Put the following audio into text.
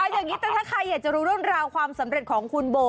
อย่างนี้แต่ถ้าใครอยากจะรู้เรื่องราวความสำเร็จของคุณโบ